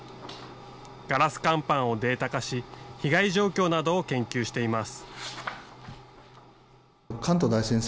ガラス乾板をデータ化し、被害状況などを研究しています。